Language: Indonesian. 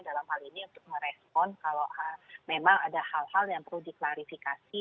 dalam hal ini untuk merespon kalau memang ada hal hal yang perlu diklarifikasi